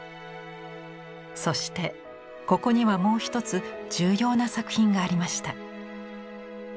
そしてここにはもう一つ重要な作品がありました。